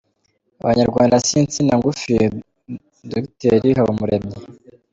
Abanyarwanda si insina ngufi - dogiteri. Habumuremyi